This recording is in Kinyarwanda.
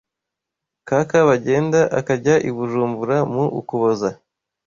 Kaka Bagyenda akajya i Bujumbura mu Ukuboza